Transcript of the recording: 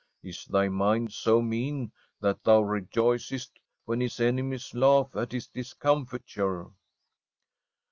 Is thy mind so mean that thou rejoicest when his enemies laugh at his discom fiture